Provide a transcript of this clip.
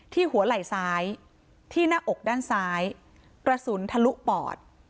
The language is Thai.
หัวไหล่ซ้ายที่หน้าอกด้านซ้ายกระสุนทะลุปอด